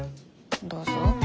どうぞ。